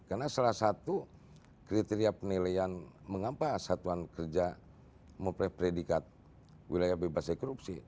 karena salah satu kriteria penilaian mengapa satuan kerja memperpedikat wilayah bebas dari korupsi